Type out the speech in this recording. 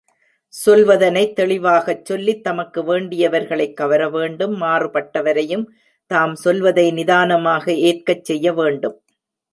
சொல்வதனைத் தெளிவாகச் சொல்லித் தமக்கு வேண்டிவர்களைக் கவர வேண்டும் மாறுபட்டவரையும் தாம் சொல்வதை நிதானமாக ஏற்கச் செய்ய வேண்டும்.